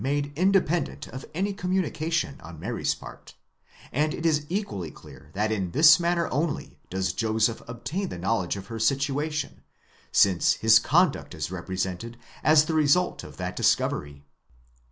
123. made independent of any communication on Mary's part, and it is equally clear that in this manner only does Joseph obtain the knowledge of her situation, since his conduct is represented as the result of that discovery (εὑρίσκεσθαι).